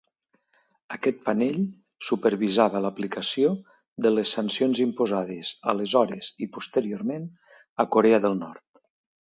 Aquest panell supervisava l'aplicació de les sancions imposades aleshores i posteriorment a Corea del Nord.